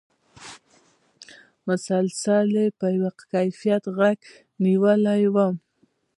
مسلسل یې په یوه کیفیت غېږ کې نېولی وم.